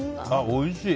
おいしい！